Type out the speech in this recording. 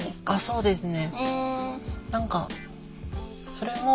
そうですね。